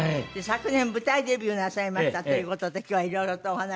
昨年舞台デビューなさいましたという事で今日はいろいろとお話。